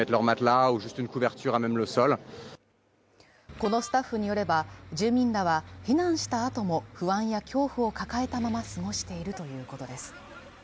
このスタッフによれば、住民らは避難したあとも不安や恐怖を抱えたまま過ごしているということです。